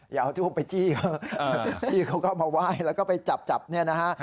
อย่าเอาทุกคนไปจี้เขาก็มาไหว้แล้วก็ไปจับนี่นะฮะ